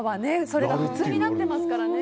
それが普通になってますからね。